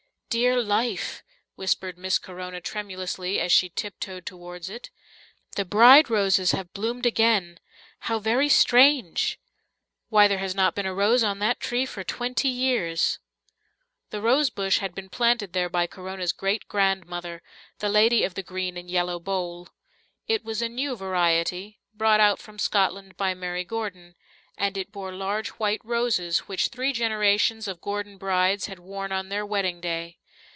"Dear life," whispered Miss Corona tremulously, as she tiptoed towards it. "The bride roses have bloomed again! How very strange! Why, there has not been a rose on that tree for twenty years." The rosebush had been planted there by Corona's great grandmother, the lady of the green and yellow bowl. It was a new variety, brought out from Scotland by Mary Gordon, and it bore large white roses which three generations of Gordon brides had worn on their wedding day.